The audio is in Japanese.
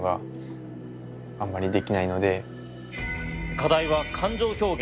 課題は感情表現。